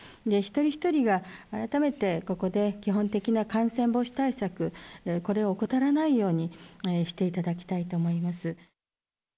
一人一人が改めて、ここで基本的な感染防止対策、これを怠らないようにしていただきたいと思います。